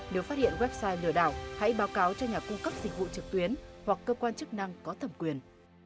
nếu phát hiện website lừa đảo hãy báo cáo cho nhà cung cấp dịch vụ trực tuyến hoặc cơ quan chức năng có thẩm quyền